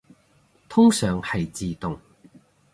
通常係自動